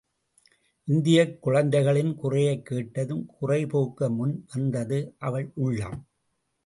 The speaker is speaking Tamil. இந்தியக், குழந்தைகளின் குறையைக் கேட்டதும் குறைபோக்க முன் வந்தது அவள் உள்ளம்.